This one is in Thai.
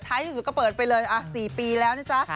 ไทยก็เปิดไปเลยสี่ปีแล้ว